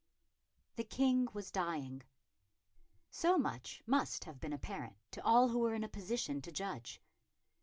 The King was dying. So much must have been apparent to all who were in a position to judge.